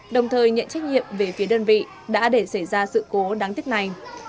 đồng thời nhận trách nhiệm về phía đơn vị đã để xảy ra sự cố đáng tiếc này